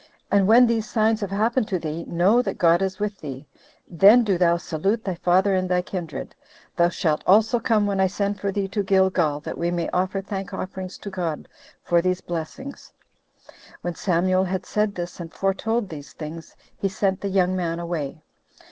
And when these signs have happened to thee, know that God is with thee; then do thou salute thy father and thy kindred. Thou shalt also come when I send for thee to Gilgal, that we may offer thank offerings to God for these blessings." When Samuel had said this, and foretold these things, he sent the young man away.